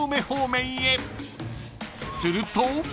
［すると］